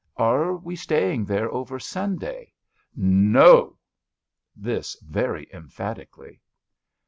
*' Are we staying there over Sunday! '*'' No." This very emphatically.